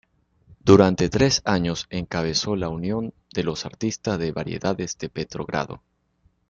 Durante tres años encabezó la Unión de los Artistas de Variedades de Petrogrado.